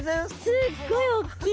すっごい大きい。